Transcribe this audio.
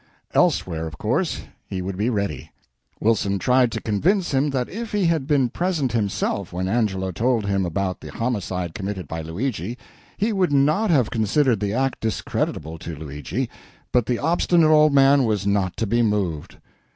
Elsewhere, of course, he would be ready. Wilson tried to convince him that if he had been present himself when Angelo told about the homicide committed by Luigi, he would not have considered the act discreditable to Luigi; but the obstinate old man was not to be moved.